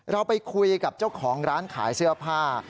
เราไปคุยกับเจ้าของร้านขายเสื้อผ้า